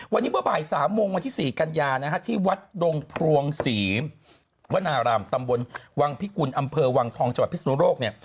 วันนี้เมื่อบ่าย๓โมงวันที่๔กันยานะฮะที่วัดดงพรวงศรีวนารามตำบลวังพิกุลอำเภอวังทองจังหวัดพิศนุโลกเนี่ย